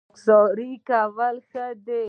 خاکساري کول ښه دي